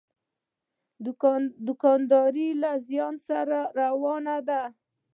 دوکانداري یې له زیان سره روانه ده.